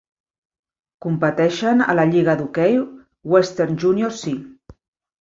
Competeixen a la lliga d'hoquei Western Junior C.